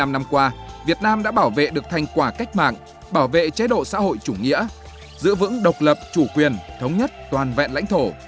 bảy mươi năm năm qua việt nam đã bảo vệ được thành quả cách mạng bảo vệ chế độ xã hội chủ nghĩa giữ vững độc lập chủ quyền thống nhất toàn vẹn lãnh thổ